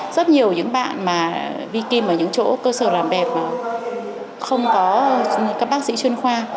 rất nhiều những bạn mà vi kim ở những chỗ cơ sở làm đẹp mà không có các bác sĩ chuyên khoa